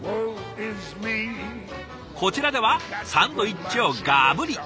こちらではサンドイッチをがぶり。